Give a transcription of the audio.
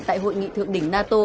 tại hội nghị thượng đỉnh nato